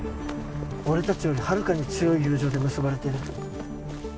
俺たちよりはるかに強い友情で結ばれてる。